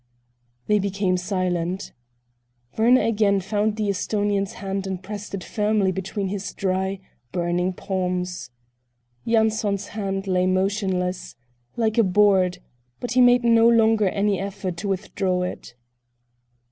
They became silent. Werner again found the Esthonian's hand and pressed it firmly between his dry, burning palms. Yanson's hand lay motionless, like a board, but he made no longer any effort to withdraw it.